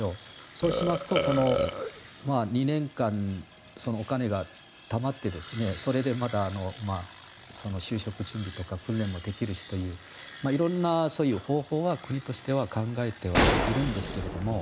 そうしますと２年間、お金がたまってそれでまた就職準備とか訓練もできるしという色んな方法は国としては考えてはいるんですけど